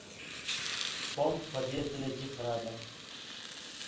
Tom xwediyê dilekî xirab e.